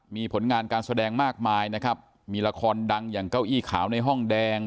มีผลงานการแสดงมากมายนะครับมีละครดังอย่างเก้าอี้ขาวในห้องแดง